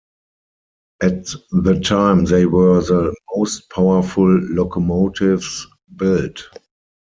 At the time they were the most powerful locomotives built.